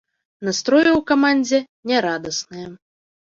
Настроі ў камандзе нярадасныя.